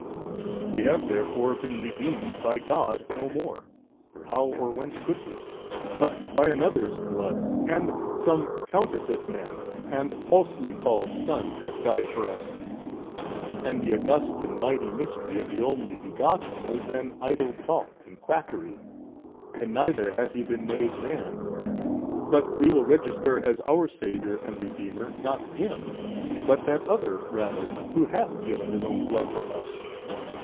A. We have therefore been redeemed by God no more (for how or whence could we?) but by another's blood, and some counterfeit man and falsely called son hath died for us, and the august and mighty mystery of the Only Begotten was then idle talk and quackery, and neither hath He been made man, but we will register as our saviour and redeemer, not Him but that other rather, who hath given his own blood for us.